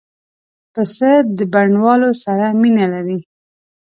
پسه د بڼوالو سره مینه لري.